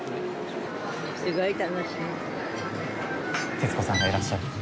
徹子さんがいらっしゃって。